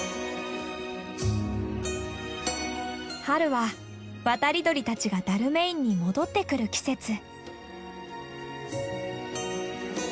春は渡り鳥たちがダルメインに戻ってくる季節。